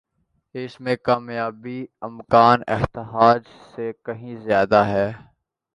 اس میں کامیابی کا امکان احتجاج سے کہیں زیادہ ہے۔